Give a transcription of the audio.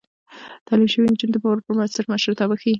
تعليم شوې نجونې د باور پر بنسټ مشرتابه ښيي.